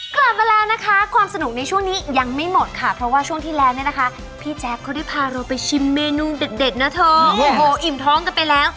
กลับมาแล้วนะคะความสนุกในช่วงนี้ยังไม่หมดค่ะเพราะว่าช่วงที่แล้วเนี่ยนะคะพี่แจ๊คเขาได้พาเราไปชิมเมนูเด็ดนะท้องโอ้โหอิ่มท้องกันไปแล้ว